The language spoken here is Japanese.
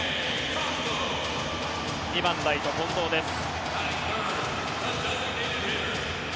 ２番ライト、近藤です。